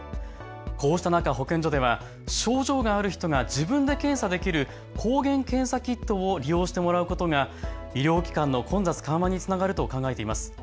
こうした中、保健所では症状がある人が自分で検査できる抗原検査キットを利用してもらうことが医療機関の混雑緩和につながると考えています。